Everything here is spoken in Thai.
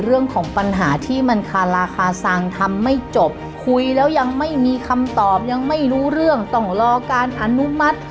เรื่องของปัญหาที่มันคาราคาซังทำไม่จบคุยแล้วยังไม่มีคำตอบยังไม่รู้เรื่องต้องรอการอนุมัติ